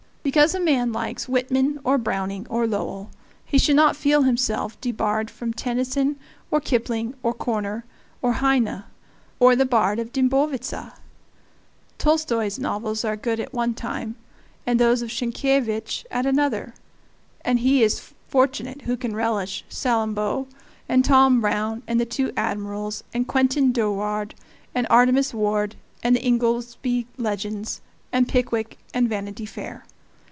Because a man likes Whitman or Browning or Lowell he should not feel himself debarred from Tennyson or Kipling or Korner or Heine or the Bard of the Dimbovitza. Tolstoy's novels are good at one time and those of Sienkiewicz at another; and he is fortunate who can relish "Salammbo" and "Tom Brown" and the "Two Admirals" and "Quentin Durward" and "Artemus Ward" and the "Ingoldsby Legends" and "Pickwick" and "Vanity Fair."